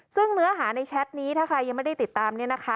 ซึ่งเนื้อหาในแชทนี้ถ้าใครยังไม่ได้ติดตามเนี่ยนะคะ